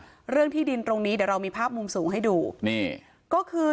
เรื่องที่ดินตรงนี้เดี๋ยวเรามีภาพมุมสูงให้ดูนี่ก็คือ